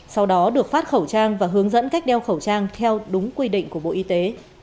sau đó được phát khẩu trang và hướng dẫn cách đeo khẩu trang theo đúng quy định của bộ y tế